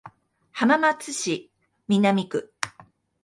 浜松市南区